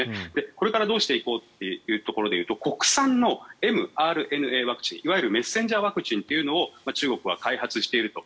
これからどうしていこうというところで言うと国産のｍＲＮＡワクチンいわゆるメッセンジャーＲＮＡワクチンというのを中国は開発していると。